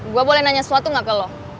gue boleh nanya sesuatu nggak ke lo